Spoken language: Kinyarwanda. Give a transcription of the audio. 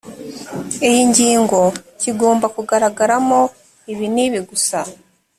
iyi ngingo kigomba kugaragaramo ibi nibi gusa